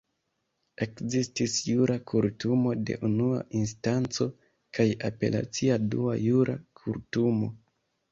Ekzistis jura kortumo de unua instanco, kaj apelacia dua jura kortumo.